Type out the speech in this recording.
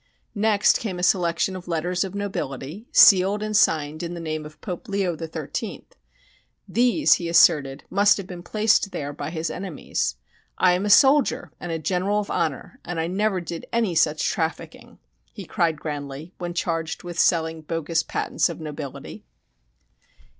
Next came a selection of letters of nobility, sealed and signed in the name of Pope Leo the Thirteenth. These, he asserted, must have been placed there by his enemies. "I am a soldier and a general of honor, and I never did any such trafficking," he cried grandly, when charged with selling bogus patents of nobility.